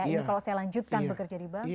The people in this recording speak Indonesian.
ini kalau saya lanjutkan bekerja di bank